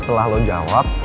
setelah lo jawab